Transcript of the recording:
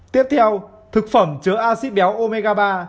tiếp theo thực phẩm chứa acid béo omega ba